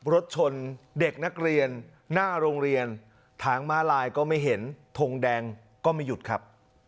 รถชนเด็กนักเรียนหน้าโรงเรียนทางม้าลายก็ไม่เห็นทงแดงก็ไม่หยุดครับ